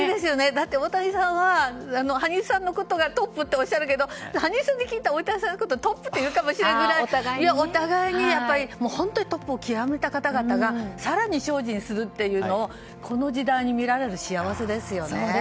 だって大谷さんは羽生さんのことがトップっておっしゃっるけど羽生さんは大谷さんのことをトップっていうかもしれないぐらいお互いに本当にトップを極めた方々が更に精進するというのをこの時代に見られる幸せですよね。